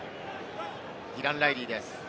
ディラン・ライリーです。